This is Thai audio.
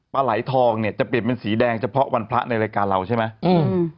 ปลาไหลทองเนี่ยจะเปลี่ยนเป็นสีแดงเฉพาะวันพระในรายการเราใช่ไหมอืม